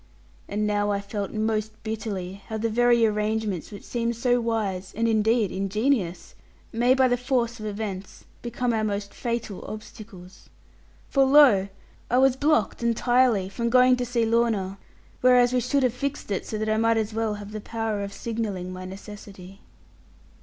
And now I felt most bitterly how the very arrangements which seemed so wise, and indeed ingenious, may by the force of events become our most fatal obstacles. For lo! I was blocked entirely from going to see Lorna; whereas we should have fixed it so that I as well might have the power of signalling my necessity.